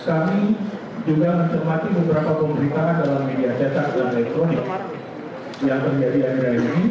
kami juga mencermati beberapa pemerintahan dalam media cacat dan elektronik yang terjadi hari hari ini